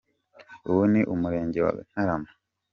Ubu ni mu murenge wa Ntarama.